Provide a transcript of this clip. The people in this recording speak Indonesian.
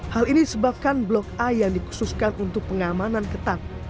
hal ini disebabkan blok a yang dikhususkan untuk pengamanan ketat